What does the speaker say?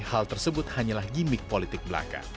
hal tersebut hanyalah gimmick politik belaka